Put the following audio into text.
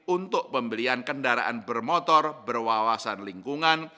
untuk pembelian kendaraan bermotor berwawasan lingkungan